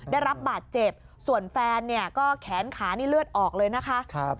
ได้รับบาดเจ็บส่วนแฟนเนี่ยก็แขนขานี่เลือดออกเลยนะคะ